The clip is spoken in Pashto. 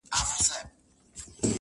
حدِاقل چي ته مي باید پُخلا کړې وای~